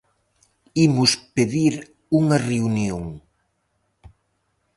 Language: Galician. Imos pedir unha reunión.